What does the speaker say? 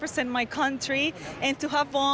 และที่คุณสร้างทางโทษส่วนใหญ่